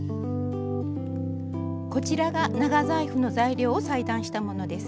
こちらが長財布の材料を裁断したものです。